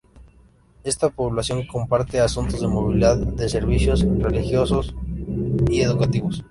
Estas poblaciones comparten asuntos de movilidad, de servicios, religiosos y educativos.